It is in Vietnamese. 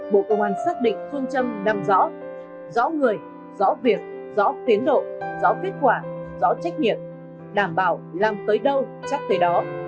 bộ công an xác định phương châm năm rõ người rõ việc rõ tiến độ rõ kết quả rõ trách nhiệm đảm bảo làm tới đâu chắc tới đó